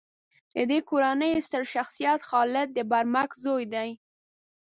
د دې کورنۍ ستر شخصیت خالد د برمک زوی دی.